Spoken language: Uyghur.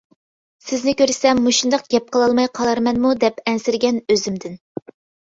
-سىزنى كۆرسەم مۇشۇنداق گەپ قىلالماي قالارمەنمۇ دەپ ئەنسىرىگەن ئۆزۈمدىن.